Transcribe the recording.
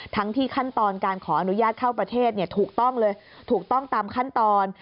ทั้งที่ขั้นตอนการขออนุญาตเข้าประเทศถูกต้องเลยถูกต้องตามขั้นตอน